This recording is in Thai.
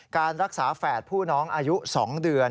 การรักษาแฝดผู้น้องอายุ๒เดือน